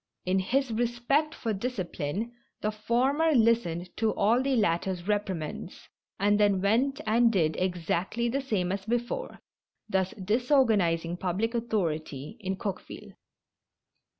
In his respect for disci pline, the former listened to all the latter's reprimands, and then went and did exactly the same as before, thus disorganizing public authority in Coqueville.